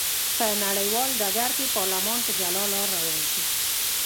په نړیوال ډګر کې پارلمان په جلا لار روان شو.